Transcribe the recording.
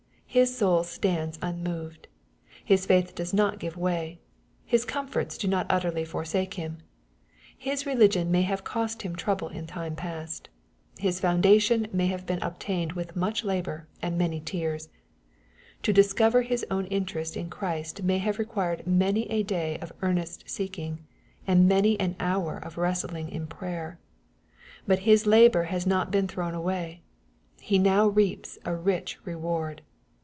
His soul stands unmoved. His faith does not give way. Hisconifortsdonotutterlyforsakehim. Hisreligion may have cost him trouble Tn^ime past. His foundation may have been obtained witffmuch labor and many tears. To discover his own interest in Christ may have required many a day of earnest seeking, and many an hour of wrestling in prayer. But his labor has not been thrown away. He now reaps a rich reward.